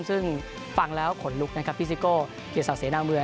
ซึ่งฟังแล้วขนลุกนะครับพี่ซิโก้เกียรติศักดิเสนาเมือง